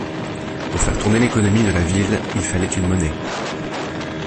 Pour faire tourner l’économie de la ville, il fallait une monnaie.